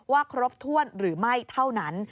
ครบถ้วนหรือไม่เท่านั้น